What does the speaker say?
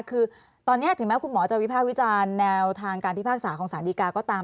คือตอนนี้ถึงแม้คุณหมอจะวิภาควิจารณ์แนวทางการพิพากษาของสารดีกาก็ตาม